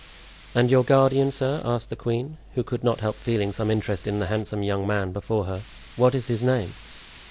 "And your guardian, sir," asked the queen, who could not help feeling some interest in the handsome young man before her, "what is his name?"